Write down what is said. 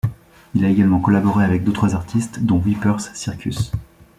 Il a également collaboré avec d'autres artistes dont Weepers Circus.